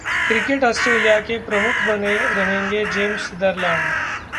cricket Australia के प्रमुख बने रहेंगे जेम्स सदरलैंड